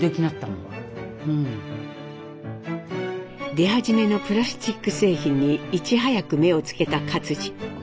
出始めのプラスチック製品にいち早く目をつけた克爾。